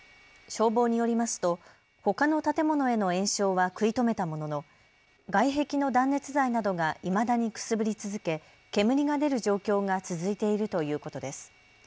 消防によりますとほかの建物への延焼は食い止めたものの外壁の断熱材などがいまだにくすぶり続け、煙が出る状況が続いているということです。